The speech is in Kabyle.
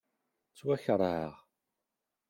Ttwakeṛheɣ.